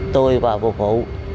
tôi và vụ phụ